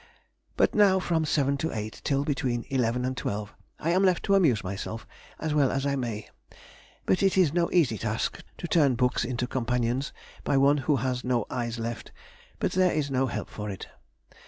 But now, from seven to eight till between eleven and twelve, I am left to amuse myself as well as I may, but it is no easy task to turn books into companions by one who has no eyes left; but there is no help for it.